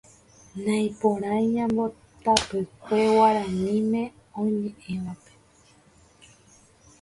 Naiporãi ñambotapykue Guaraníme oñeʼẽvape.